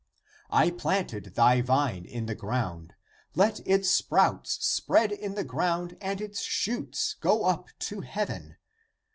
<"I planted thy vine in the ground, let its sprouts spread in the ground and its shoots go up to heaven.